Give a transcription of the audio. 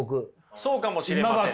そうかもしれません。